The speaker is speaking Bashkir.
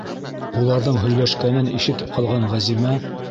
Уларҙың һөйләшкәнен ишетеп ҡалған Ғәзимә: